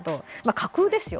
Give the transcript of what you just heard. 架空ですよ。